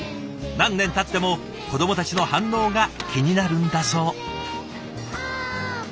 何年たっても子どもたちの反応が気になるんだそう。